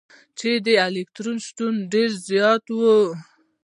چي د الکترون شتون ډېر زيات وي.